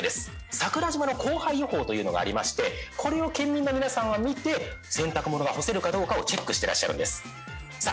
桜島の降灰予報というのがありましてこれを県民の皆さんは見て洗濯物が干せるかどうかをチェックしてらっしゃるんですさあ